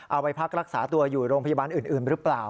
เอาไปพักรักษาตัวอยู่โรงพยาบาลอื่นหรือเปล่า